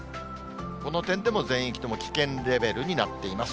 この点でも全域とも危険レベルになっています。